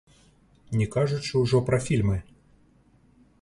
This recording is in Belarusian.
Не кажучы ўжо пра фільмы.